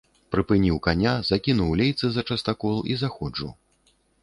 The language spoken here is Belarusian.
Прыпыніў каня, закінуў лейцы за частакол і заходжу.